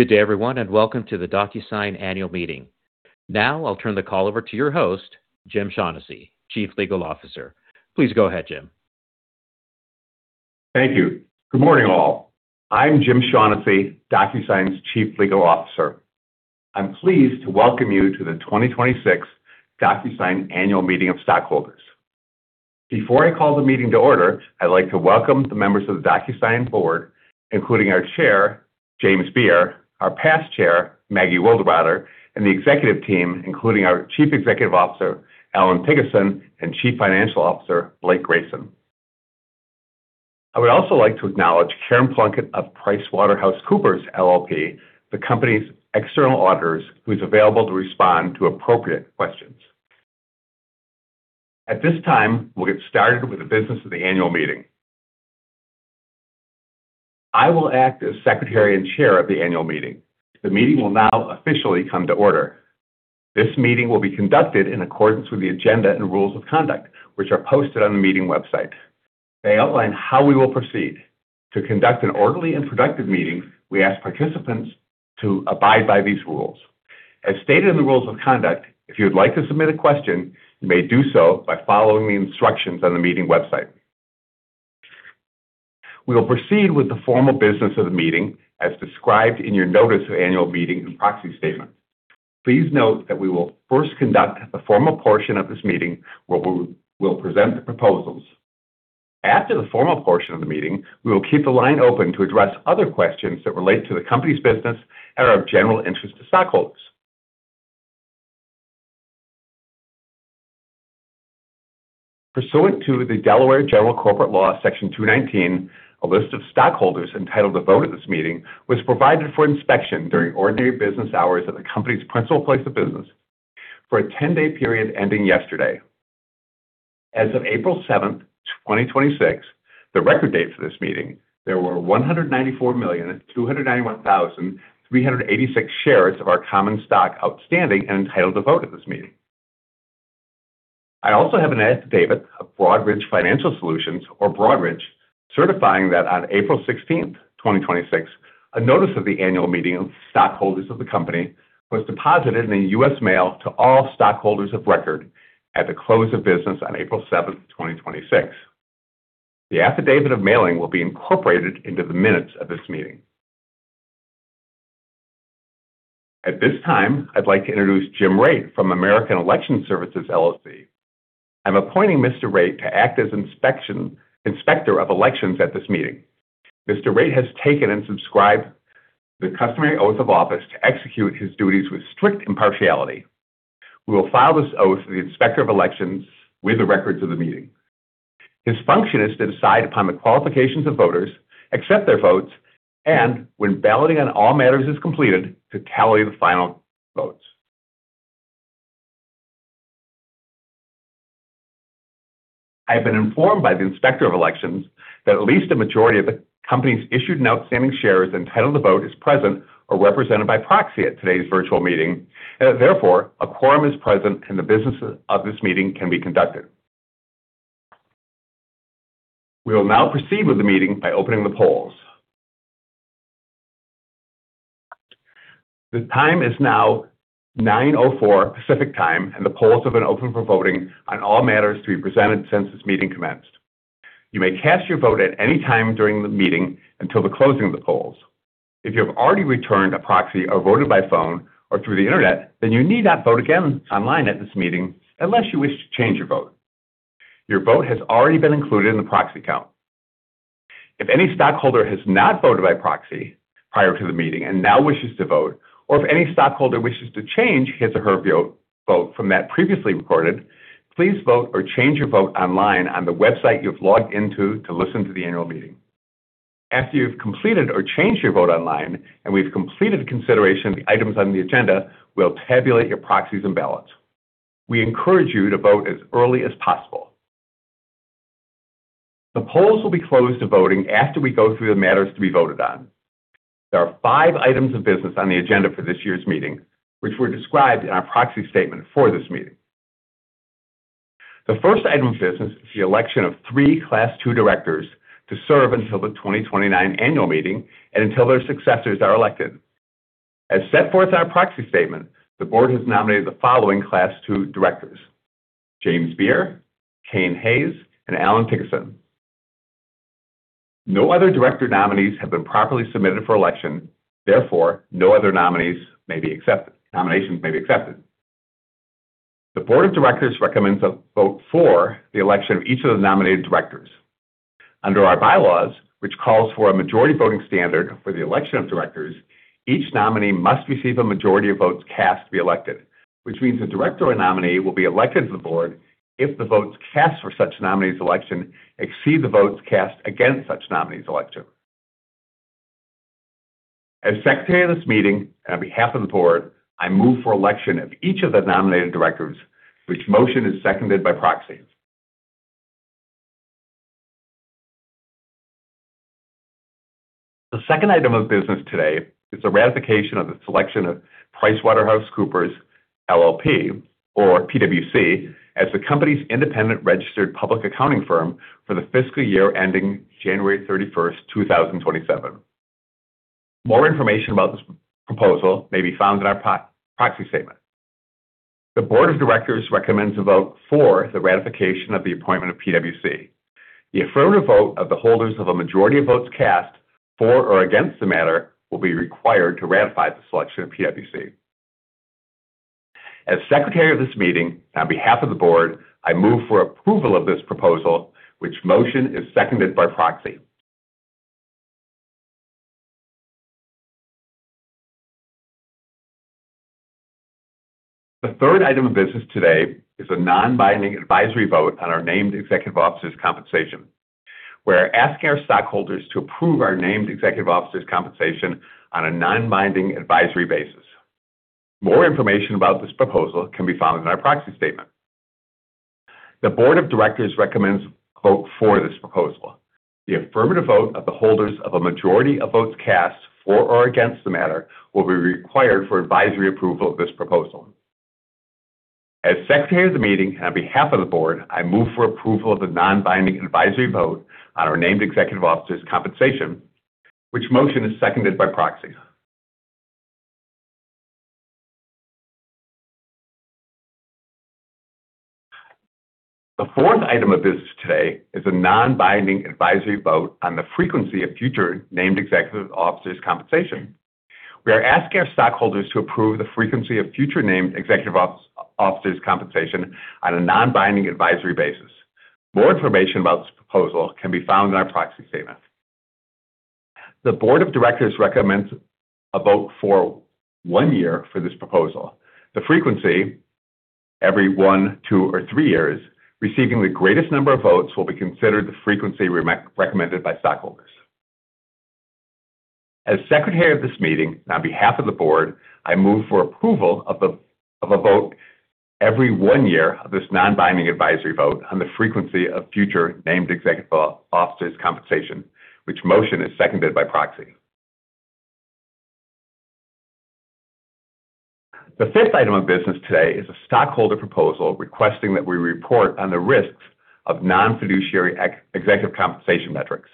Good day, everyone, and welcome to the Docusign Annual Meeting. Now, I'll turn the call over to your host, Jim Shaughnessy, Chief Legal Officer. Please go ahead, Jim. Thank you. Good morning, all. I'm Jim Shaughnessy, Docusign's Chief Legal Officer. I'm pleased to welcome you to the 2026 Docusign Annual Meeting of Stockholders. Before I call the meeting to order, I'd like to welcome the members of the Docusign board, including our Chair, James Beer, our past Chair, Maggie Wilderotter, and the executive team, including our Chief Executive Officer, Allan Thygesen, and Chief Financial Officer, Blake Grayson. I would also like to acknowledge Karen Plunkett of PricewaterhouseCoopers LLP, the company's external auditors, who's available to respond to appropriate questions. At this time, we'll get started with the business of the Annual Meeting. I will act as Secretary and Chair of the Annual Meeting. The meeting will now officially come to order. This meeting will be conducted in accordance with the agenda and rules of conduct, which are posted on the meeting website. They outline how we will proceed. To conduct an orderly and productive meeting, we ask participants to abide by these rules. As stated in the rules of conduct, if you would like to submit a question, you may do so by following the instructions on the meeting website. We will proceed with the formal business of the meeting as described in your Notice of Annual Meeting and proxy statement. Please note that we will first conduct the formal portion of this meeting where we will present the proposals. After the formal portion of the meeting, we will keep the line open to address other questions that relate to the company's business and are of general interest to stockholders. Pursuant to the Delaware General Corporation Law Section 219, a list of stockholders entitled to vote at this meeting was provided for inspection during ordinary business hours at the company's principal place of business for a 10-day period ending yesterday. As of April 7th, 2026, the record date for this meeting, there were 194,291,386 shares of our common stock outstanding and entitled to vote at this meeting. I also have an affidavit of Broadridge Financial Solutions, or Broadridge, certifying that on April 16th, 2026, a Notice of the Annual Meeting of Stockholders of the company was deposited in the U.S. mail to all stockholders of record at the close of business on April 7th, 2026. The affidavit of mailing will be incorporated into the minutes of this meeting. At this time, I'd like to introduce Jim Raitt from American Election Services, LLC. I'm appointing Mr. Raitt to act as Inspector of Elections at this meeting. Mr. Raitt has taken and subscribed the customary oath of office to execute his duties with strict impartiality. We will file this oath of the Inspector of Elections with the records of the meeting. His function is to decide upon the qualifications of voters, accept their votes, and when balloting on all matters is completed, to tally the final votes. I have been informed by the Inspector of Elections that at least a majority of the company's issued and outstanding shares entitled to vote is present or represented by proxy at today's virtual meeting, and that therefore, a quorum is present and the business of this meeting can be conducted. We will now proceed with the meeting by opening the polls. The time is now 9:04 A.M. Pacific Time, and the polls have been open for voting on all matters to be presented since this meeting commenced. You may cast your vote at any time during the meeting until the closing of the polls. If you have already returned a proxy or voted by phone or through the internet, then you need not vote again online at this meeting unless you wish to change your vote. Your vote has already been included in the proxy count. If any stockholder has not voted by proxy prior to the meeting and now wishes to vote, or if any stockholder wishes to change his or her vote from that previously recorded, please vote or change your vote online on the website you have logged into to listen to the Annual Meeting. After you've completed or changed your vote online and we've completed consideration of the items on the agenda, we'll tabulate your proxies and ballots. We encourage you to vote as early as possible. The polls will be closed to voting after we go through the matters to be voted on. There are five items of business on the agenda for this year's meeting, which were described in our proxy statement for this meeting. The first item of business is the election of three Class 2 directors to serve until the 2029 Annual Meeting and until their successors are elected. As set forth in our proxy statement, the board has nominated the following Class 2 directors: James Beer, Cain Hayes, and Allan Thygesen. No other director nominees have been properly submitted for election; therefore, no other nominations may be accepted. The Board of Directors recommends a vote for the election of each of the nominated directors. Under our bylaws, which calls for a majority voting standard for the election of directors, each nominee must receive a majority of votes cast to be elected, which means the director or nominee will be elected to the board if the votes cast for such nominee's election exceed the votes cast against such nominee's election. As secretary of this meeting, and on behalf of the board, I move for election of each of the nominated directors, which motion is seconded by proxy. The second item of business today is the ratification of the selection of PricewaterhouseCoopers LLP or PwC as the company's independent registered public accounting firm for the fiscal year ending January 31st, 2027. More information about this proposal may be found in our proxy statement. The Board of Directors recommends a vote for the ratification of the appointment of PwC. The affirmative vote of the holders of a majority of votes cast for or against the matter will be required to ratify the selection of PwC. As secretary of this meeting, on behalf of the board, I move for approval of this proposal, which motion is seconded by proxy. The third item of business today is a non-binding advisory vote on our named executive officers' compensation. We're asking our stockholders to approve our named executive officers' compensation on a non-binding advisory basis. More information about this proposal can be found in our proxy statement. The Board of Directors recommends a vote for this proposal. The affirmative vote of the holders of a majority of votes cast for or against the matter will be required for advisory approval of this proposal. As secretary of the meeting and on behalf of the board, I move for approval of the non-binding advisory vote on our named executive officers' compensation, which motion is seconded by proxy. The fourth item of business today is a non-binding advisory vote on the frequency of future named executive officers' compensation. We are asking our stockholders to approve the frequency of future named executive officers' compensation on a non-binding advisory basis. More information about this proposal can be found in our proxy statement. The Board of Directors recommends a vote for one year for this proposal. The frequency every one, two, or three years, receiving the greatest number of votes will be considered the frequency recommended by stockholders. As secretary of this meeting, on behalf of the board, I move for approval of a vote every one year of this non-binding advisory vote on the frequency of future named executive officers' compensation, which motion is seconded by proxy. The fifth item of business today is a stockholder proposal requesting that we report on the risks of non-fiduciary executive compensation metrics.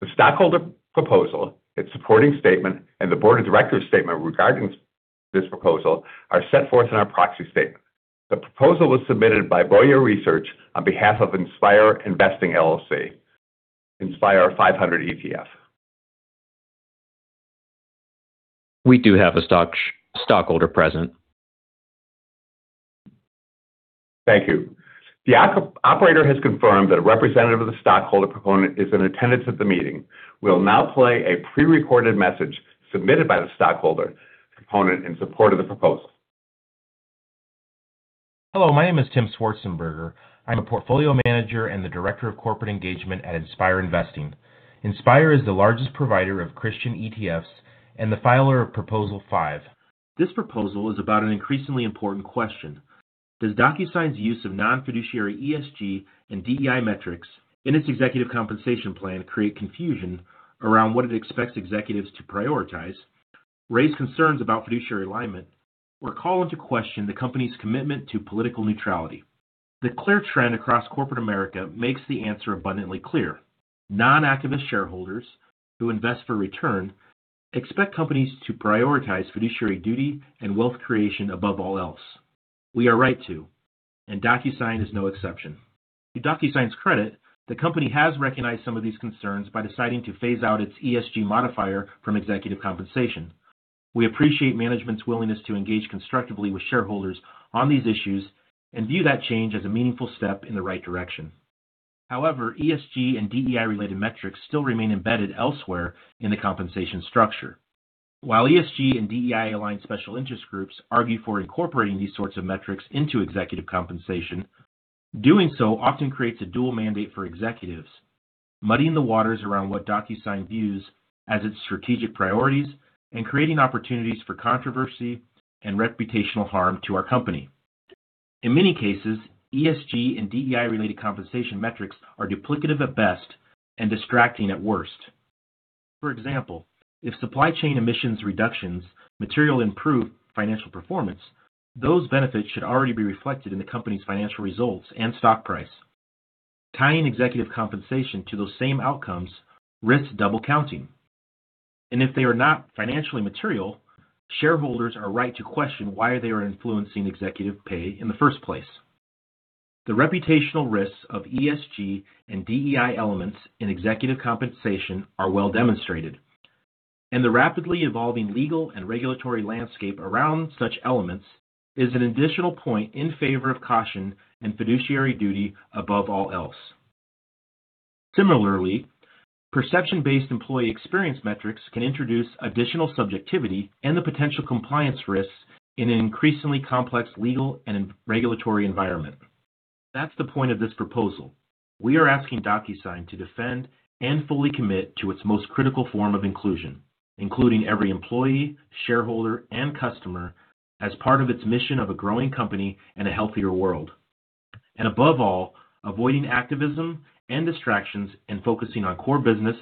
The stockholder proposal, its supporting statement, and the Board of Directors' statement regarding this proposal are set forth in our proxy statement. The proposal was submitted by Bowyer Research on behalf of Inspire Investing, LLC, Inspire 500 ETF. We do have a stockholder present. Thank you. The operator has confirmed that a representative of the stockholder proponent is in attendance at the meeting. We'll now play a pre-recorded message submitted by the stockholder proponent in support of the proposal. Hello, my name is Tim Schwarzenberger. I'm a Portfolio Manager and the Director of Corporate Engagement at Inspire Investing. Inspire is the largest provider of Christian ETFs and the filer of proposal five. This proposal is about an increasingly important question. Does Docusign's use of non-fiduciary ESG and DEI metrics in its executive compensation plan create confusion around what it expects executives to prioritize, raise concerns about fiduciary alignment, or call into question the company's commitment to political neutrality? The clear trend across corporate America makes the answer abundantly clear. Non-activist shareholders who invest for return expect companies to prioritize fiduciary duty and wealth creation above all else. We are right to, and Docusign is no exception. To Docusign's credit, the company has recognized some of these concerns by deciding to phase out its ESG modifier from executive compensation. We appreciate management's willingness to engage constructively with shareholders on these issues and view that change as a meaningful step in the right direction. However, ESG and DEI-related metrics still remain embedded elsewhere in the compensation structure. While ESG and DEI-aligned special interest groups argue for incorporating these sorts of metrics into executive compensation, doing so often creates a dual mandate for executives, muddying the waters around what Docusign views as its strategic priorities and creating opportunities for controversy and reputational harm to our company. In many cases, ESG and DEI-related compensation metrics are duplicative at best and distracting at worst. For example, if supply chain emissions reductions materially improve financial performance, those benefits should already be reflected in the company's financial results and stock price. Tying executive compensation to those same outcomes risks double counting, and if they are not financially material, shareholders are right to question why they are influencing executive pay in the first place. The reputational risks of ESG and DEI elements in executive compensation are well-demonstrated, and the rapidly evolving legal and regulatory landscape around such elements is an additional point in favor of caution and fiduciary duty above all else. Similarly, perception-based employee experience metrics can introduce additional subjectivity and the potential compliance risks in an increasingly complex legal and regulatory environment. That's the point of this proposal. We are asking Docusign to defend and fully commit to its most critical form of inclusion, including every employee, shareholder, and customer as part of its mission of a growing company and a healthier world. Above all, avoiding activism and distractions and focusing on core business,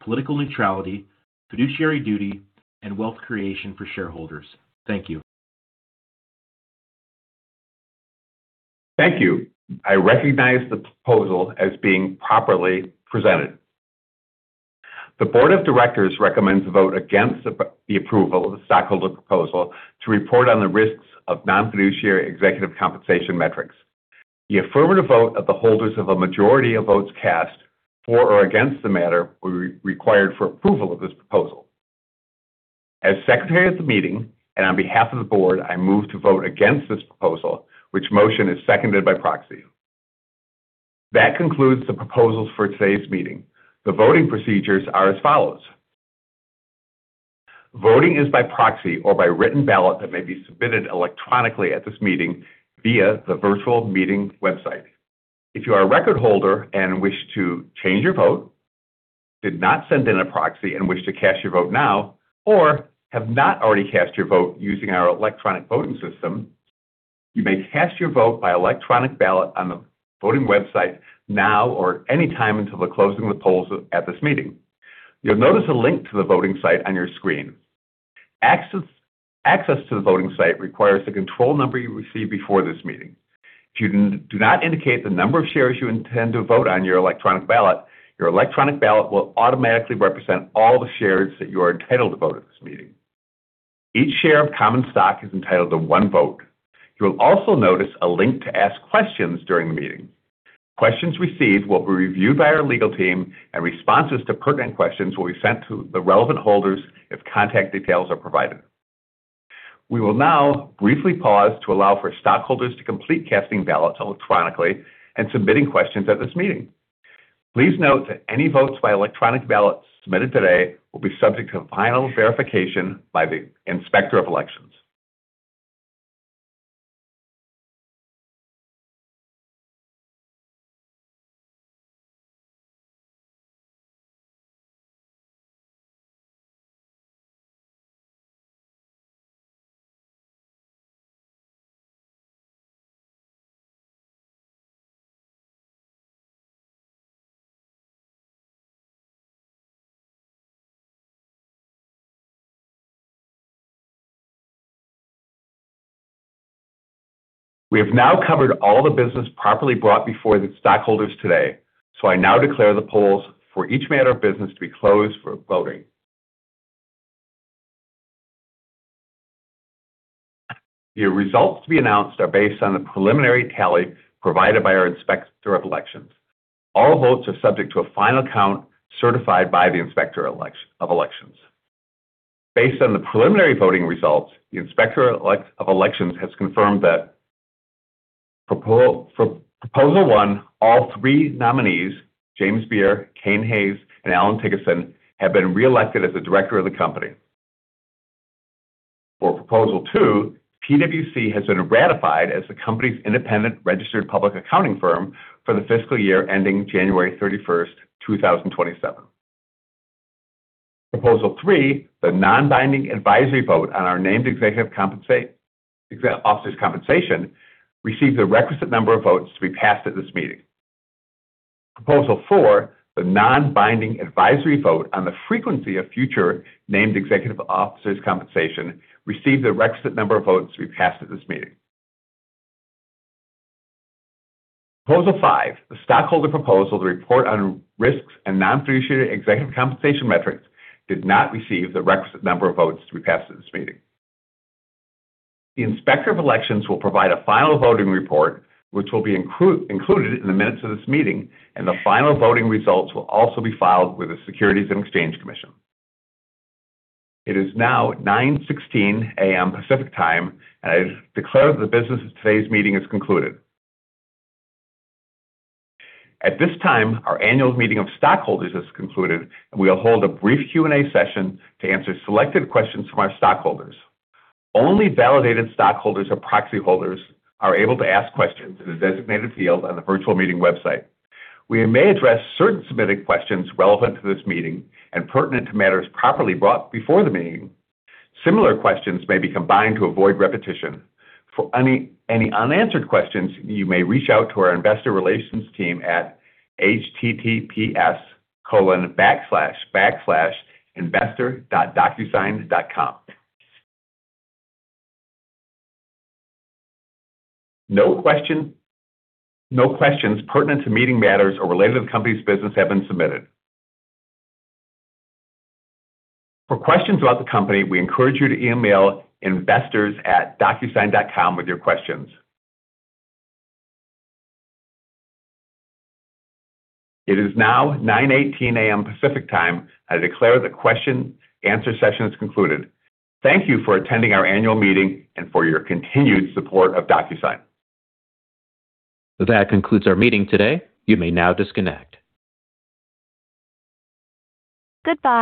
political neutrality, fiduciary duty, and wealth creation for shareholders. Thank you. Thank you. I recognize the proposal as being properly presented. The Board of Directors recommends a vote against the approval of the stockholder proposal to report on the risks of non-fiduciary executive compensation metrics. The affirmative vote of the holders of a majority of votes cast, for or against the matter, will be required for approval of this proposal. As secretary of the meeting and on behalf of the board, I move to vote against this proposal, which motion is seconded by proxy. That concludes the proposals for today's meeting. The voting procedures are as follows. Voting is by proxy or by written ballot that may be submitted electronically at this meeting via the virtual meeting website. If you are a record holder and wish to change your vote, did not send in a proxy and wish to cast your vote now, or have not already cast your vote using our electronic voting system, you may cast your vote by electronic ballot on the voting website now or any time until the closing of the polls at this meeting. You'll notice a link to the voting site on your screen. Access to the voting site requires the control number you received before this meeting. If you do not indicate the number of shares you intend to vote on your electronic ballot, your electronic ballot will automatically represent all the shares that you are entitled to vote at this meeting. Each share of common stock is entitled to one vote. You will also notice a link to ask questions during the meeting. Questions received will be reviewed by our legal team, and responses to pertinent questions will be sent to the relevant holders if contact details are provided. We will now briefly pause to allow for stockholders to complete casting ballots electronically and submitting questions at this meeting. Please note that any votes by electronic ballots submitted today will be subject to final verification by the Inspector of Elections. We have now covered all the business properly brought before the stockholders today, so I now declare the polls for each matter of business to be closed for voting. The results to be announced are based on the preliminary tally provided by our Inspector of Elections. All votes are subject to a final count certified by the Inspector of Elections. Based on the preliminary voting results, the Inspector of Elections has confirmed that for proposal one, all three nominees, James Beer, Cain Hayes, and Allan Thygesen, have been reelected as the director of the company. For proposal two, PwC has been ratified as the company's independent registered public accounting firm for the fiscal year ending January 31st, 2027. Proposal three, the non-binding advisory vote on our named executive officers' compensation, received the requisite number of votes to be passed at this meeting. Proposal four, the non-binding advisory vote on the frequency of future named executive officers' compensation, received the requisite number of votes to be passed at this meeting. Proposal five, the stockholder proposal to report on risks and non-fiduciary executive compensation metrics, did not receive the requisite number of votes to be passed at this meeting. The Inspector of Elections will provide a final voting report, which will be included in the minutes of this meeting, and the final voting results will also be filed with the Securities and Exchange Commission. It is now 9:16 A.M. Pacific Time. I declare the business of today's meeting is concluded. At this time, Annual Meeting of Stockholders is concluded, and we will hold a brief Q&A session to answer selected questions from our stockholders. Only validated stockholders or proxy holders are able to ask questions in a designated field on the virtual meeting website. We may address certain submitted questions relevant to this meeting and pertinent to matters properly brought before the meeting. Similar questions may be combined to avoid repetition. For any unanswered questions, you may reach out to our investor relations team at https://investor.docusign.com. No questions pertinent to meeting matters or related to the company's business have been submitted. For questions about the company, we encourage you to email investors@docusign.com with your questions. It is now 9:18 A.M. Pacific Time. I declare the question-and-answer session is concluded. Thank you for attending our Annual Meeting and for your continued support of Docusign. That concludes our meeting today. You may now disconnect. Goodbye.